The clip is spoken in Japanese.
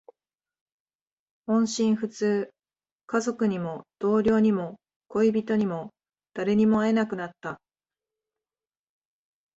音信不通。家族にも、同僚にも、恋人にも、誰にも会えなくなった。